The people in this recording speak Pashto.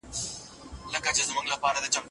اسلام د علم او عمل دين دی.